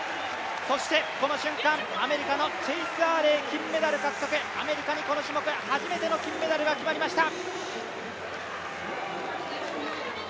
そしてこの瞬間、アメリカのチェイス・アーレイ、金メダル獲得、アメリカにこの種目初めての金メダルが決まりました。